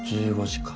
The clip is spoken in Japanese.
１５時か。